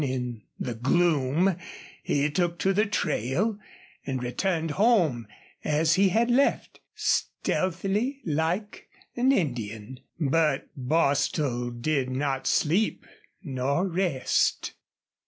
Then in the gloom he took to the trail, and returned home as he had left, stealthily, like an Indian. But Bostil did not sleep nor rest.